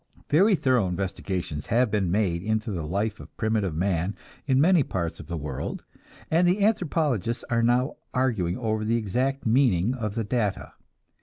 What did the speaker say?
Very thorough investigations have been made into the life of primitive man in many parts of the world, and the anthropologists are now arguing over the exact meaning of the data.